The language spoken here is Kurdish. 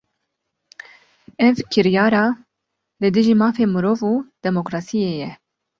Ev kiryara, li dijî mafê mirov û demokrasiyê ye